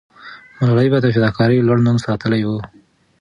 ملالۍ به د فداکارۍ لوړ نوم ساتلې وو.